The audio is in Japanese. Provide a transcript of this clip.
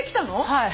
はい。